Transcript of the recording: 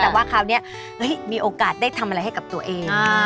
แต่ว่าคราวนี้มีโอกาสได้ทำอะไรให้กับตัวเอง